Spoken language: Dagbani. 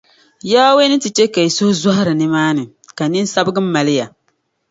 Yawɛ ni ti chɛ ka yi suhuri zɔhira nimaani, ka ninsabiga mali ya.